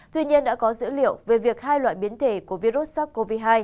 tuy nhiên đã có dữ liệu về việc hai loại biến thể của virus sars cov hai